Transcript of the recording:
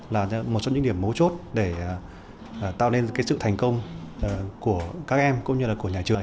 là một trong những điểm mấu chốt để tạo nên cái sự thành công của các em cũng như là của nhà trường